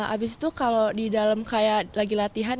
abis itu kalau di dalam kayak lagi latihan